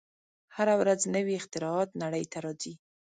هره ورځ نوې اختراعات نړۍ ته راځي.